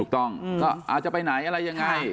ถูกต้องก็อาจจะไปไหนอะไรยังไง